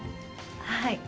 はい。